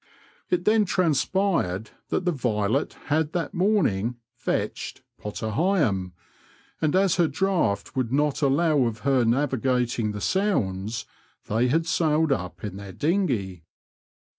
It then transpired that the Violet had that morning *' fetched " Potter Heigham, and as her draught would not allow of her navigating the Sounds, they had sailed up in their dinghey.